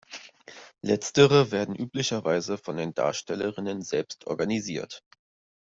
Letztere werden üblicherweise von den Darstellerinnen selbst organisiert.